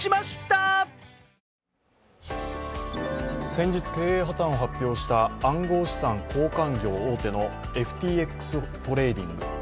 先日、経営破綻を発表した暗号資産交換業大手のＦＴＸトレーディング。